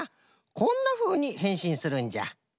こんなふうにへんしんするんじゃ。